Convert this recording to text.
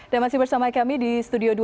dan masih bersama kami di studio dua